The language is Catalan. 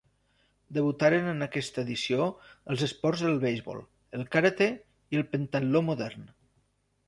Debutaren en aquesta edició els esports del beisbol, el karate i el pentatló modern.